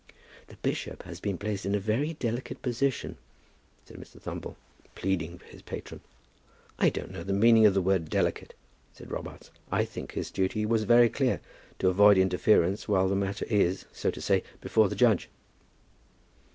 "The bishop has been placed in a very delicate position," said Mr. Thumble, pleading for his patron. "I don't know the meaning of the word 'delicate,'" said Robarts. "I think his duty was very clear, to avoid interference whilst the matter is, so to say, before the judge."